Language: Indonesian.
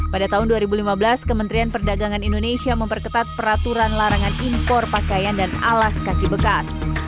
pada tahun dua ribu lima belas kementerian perdagangan indonesia memperketat peraturan larangan impor pakaian dan alas kaki bekas